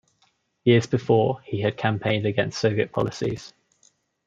Years before, he had campaigned against Soviet policies.